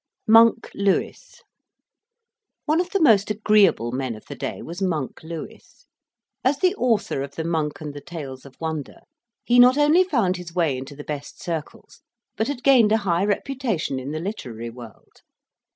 "MONK" LEWIS One of the most agreeable men of the day was "Monk" Lewis. As the author of the Monk and the Tales of Wonder, he not only found his way into the best circles, but had gained a high reputation in the literary world.